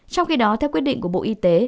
trong khi đó theo quyết định của bộ y tế